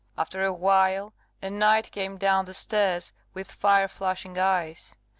After a while a knight came down the stairs, with fire flashing eyes.